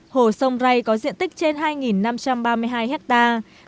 hồ sông ray có diện tích trên hai năm trăm ba mươi hai hectare